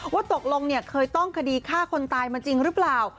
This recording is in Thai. ว่าตกลงเคยต้องคดีฆ่าคนตายมาจริงหรือเปล่า